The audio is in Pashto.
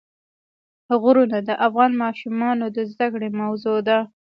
غرونه د افغان ماشومانو د زده کړې موضوع ده.